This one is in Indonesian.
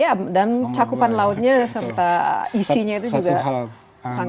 iya dan cakupan lautnya serta isinya itu juga sangat